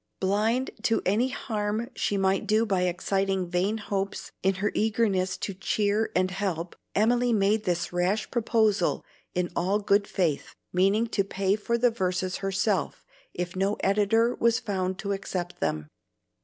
Blind to any harm she might do by exciting vain hopes in her eagerness to cheer and help, Emily made this rash proposal in all good faith, meaning to pay for the verses herself if no editor was found to accept them.